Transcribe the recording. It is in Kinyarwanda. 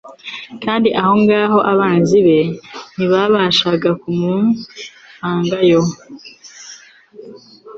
kandi aho ngaho abanzi be ntibajyaga kubasha kumusangayo.